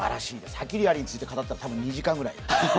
ハキリアリについて語ったら２時間ぐらい。